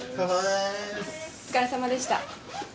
お疲れさまでした。